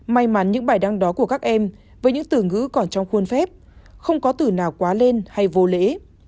may mắn những bài đăng đó của các em với những từ ngữ còn trong khuôn phép không có từ nào quá lên hay vô lễ